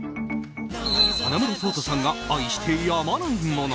花村想太さんが愛してやまないもの。